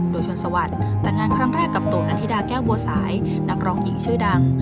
โดยชนสวัสดิ์แต่งงานครั้งแรกกับตูนอันธิดาแก้วบัวสายนักร้องหญิงชื่อดัง